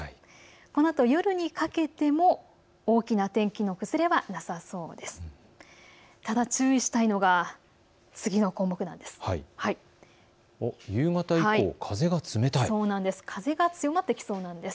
このあと夜にかけても大きな天気の崩れはなさそうです。